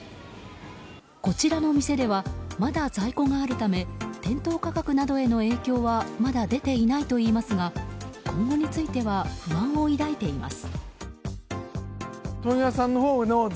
こちらの店ではまだ在庫があるため店頭価格などへの影響はまだ出ていないといいますが今後については不安を抱いています。